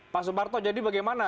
pak suparto jadi bagaimana